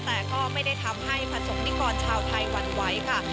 แต่ก็ไม่ได้ทำให้ประสงค์นิกรชาวไทยหวั่นไหวค่ะ